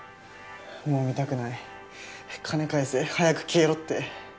「もう見たくない」「金返せ」「早く消えろ」って。